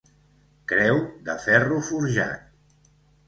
Creu de ferro forjat.